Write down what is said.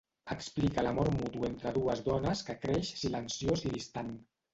Explica l'amor mutu entre dues dones que creix silenciós i distant.